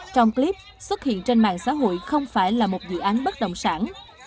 trong clip xuất hiện trên mạng xã hội không phải là một dự án bất động sản